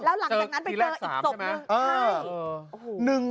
แล้วหลังจากนั้นไปเจออีกศพนึง